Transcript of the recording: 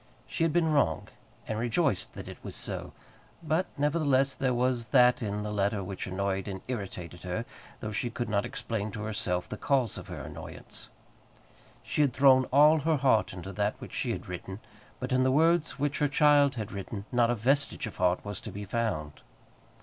She had been wrong, and rejoiced that it was so. But nevertheless there was that in the letter which annoyed and irritated her, though she could not explain to herself the cause of her annoyance. She had thrown all her heart into that which she had written, but in the words which her child had written not a vestige of heart was to be found.